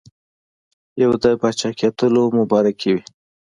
یو د پاچاکېدلو مبارکي وي.